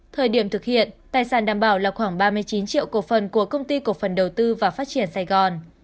thời điểm thực hiện tài sản đảm bảo là khoảng ba mươi chín triệu cổ phần của công ty cổ phần đầu tư và phát triển sài gòn